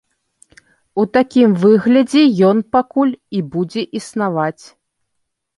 У такім выглядзе ён пакуль і будзе існаваць.